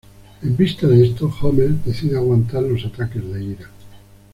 En vista de esto, Homer decide aguantar los ataques de ira.